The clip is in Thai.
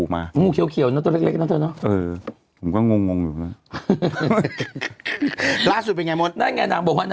ไม่เข้าใจ